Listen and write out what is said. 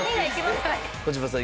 児嶋さん